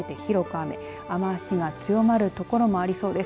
雨足が強まる所もありそうです。